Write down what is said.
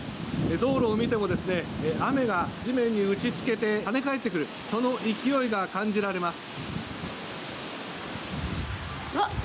道路を見ても雨が地面に打ちつけて跳ね返ってくるその勢いが感じられます。